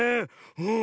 うん。